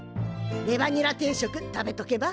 レバニラ定食食べとけば？